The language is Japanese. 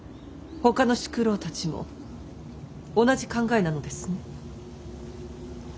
ほかの宿老たちも同じ考えなのですね？